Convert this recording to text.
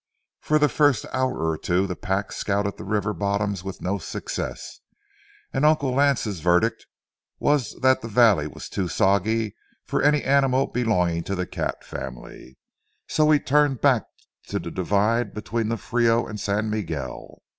For the first hour or two the pack scouted the river bottoms with no success, and Uncle Lance's verdict was that the valley was too soggy for any animal belonging to the cat family, so we turned back to the divide between the Frio and San Miguel.